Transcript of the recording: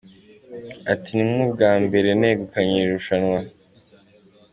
Ati" Ni nk’ubwa mbere negukanye iri rushanwa.